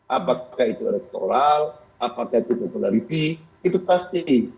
apakah itu elektoral apakah itu popularity itu pasti